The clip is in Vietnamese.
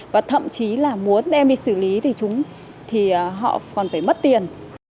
và thậm chí là muốn em đi xử lý thì họ còn phải mất tiền